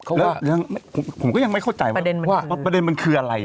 แล้วผมก็ยังไม่เข้าใจว่าประเด็นมันคืออะไร